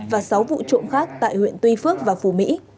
và sáu vụ trộm khác tại huyện tuy phước và phù mỹ